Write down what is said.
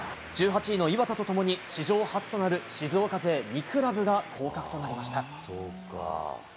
１８位の磐田とともに、史上初となる静岡勢２クラブが降格となりました。